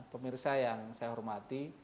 pemirsa yang saya hormati